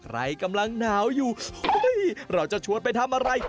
ใครกำลังหนาวอยู่เราจะชวนไปทำอะไร